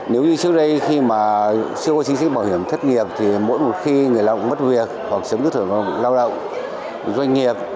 nếu như trước đây khi mà xí xách bảo hiểm thất nghiệp thì mỗi một khi người lao động mất việc hoặc xứng đứt hợp đồng lao động doanh nghiệp